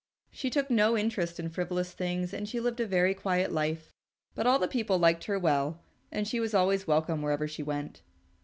She took no interest in frivolous things and she lived a very quiet life, but all the people liked her well, and she was always welcome wherever she went.